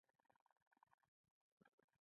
چې کله ګرمې وي .